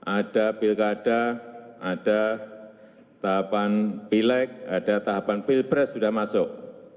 ada pilkada ada tahapan pilek ada tahapan pilpres sudah masuk